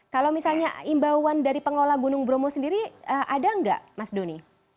kalau misalnya imbauan dari pengelola gunung bromo sendiri ada nggak mas doni